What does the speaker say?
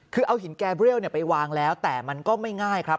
คือเอาหินแกเรียลไปวางแล้วแต่มันก็ไม่ง่ายครับ